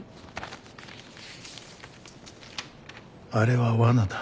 「あれは罠だ」